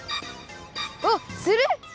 あっする！？